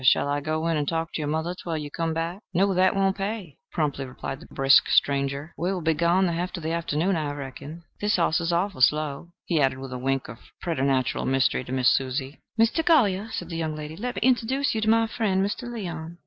Shall I go in and talk to your mother twell you come back?" "No, that won't pay," promptly replied the brisk stranger. "We will be gone the heft of the afternoon, I reckon. This hoss is awful slow," he added with a wink of preternatural mystery to Miss Susie. "Mr. Golyer," said the young lady, "let me interduce you to my friend, Mr. Leon."